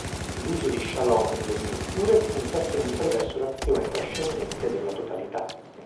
L'uso di shalom nelle Scritture punta sempre verso l'azione trascendente della totalità.